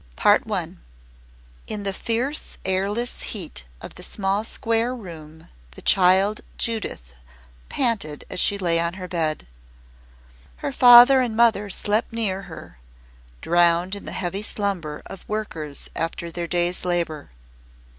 PART ONE In the fierce airless heat of the small square room the child Judith panted as she lay on her bed. Her father and mother slept near her, drowned in the heavy slumber of workers after their day's labour.